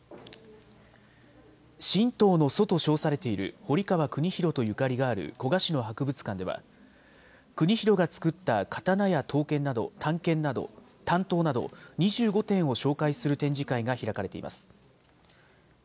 新刀の祖と称されている堀川國廣とゆかりがある古河市の博物館では、國廣が作った刀や短刀など、２５点を紹介する展示会が開かれています。